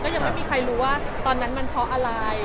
ยังไม่มีใครรู้ว่าตอนนั้นมันเพราะอะไร